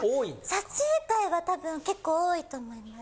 撮影会は多分結構多いと思います。